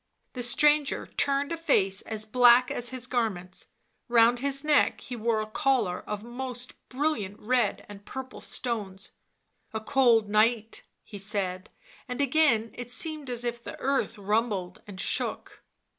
The stranger turned a face as black as his garments ; round his neck he wore a collar of most brilliant red and purple stones. " A cold night," he said, and again it seemed as if the earth rumbled and shook.